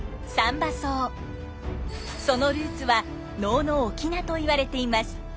そのルーツは能の「翁」といわれています。